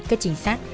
các chính sát